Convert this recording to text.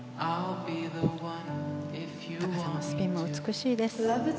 高さもスピンも美しいです。